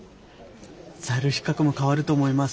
在留資格も変わると思います。